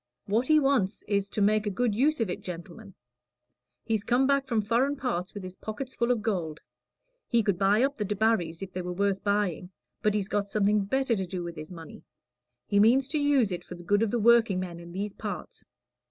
What he wants is, to make a good use of it, gentlemen. He's come back from foreign parts with his pockets full of gold. He could buy up the Debarrys, if they were worth buying, but he's got something better to do with his money. He means to use it for the good of the workingmen in these parts.